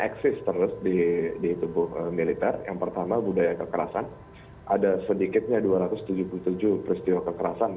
eksis terus di tubuh militer yang pertama budaya kekerasan ada sedikitnya dua ratus tujuh puluh tujuh peristiwa kekerasan